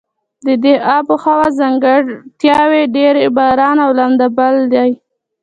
د دې آب هوا ځانګړتیاوې ډېر باران او لنده بل دي.